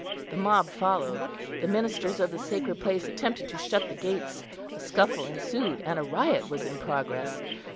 The mob followed, the ministers of the sacred place attempted to shut the gates, a scuffle ensued, and a riot was in progress.